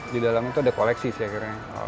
di dalam itu ada koleksi sih akhirnya